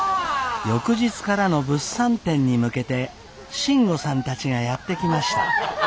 翌日からの物産展に向けて信吾さんたちがやって来ました。